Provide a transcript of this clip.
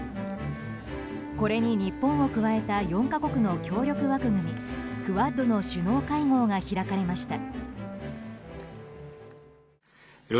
これに日本を加えた４か国の協力枠組みクアッドの首脳会合が開かれました。